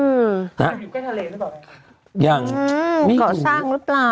อยู่ใกล้ทะเลหรือเปล่ายังอืมมีเกาะสร้างหรือเปล่า